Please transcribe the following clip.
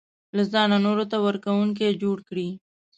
له ځانه نورو ته ورکوونکی جوړ کړي.